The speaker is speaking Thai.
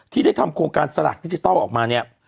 ที่ได้ทำโครงการสลากดิจิทัลออกมาเนี่ย